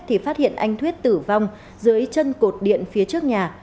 thì phát hiện anh thuyết tử vong dưới chân cột điện phía trước nhà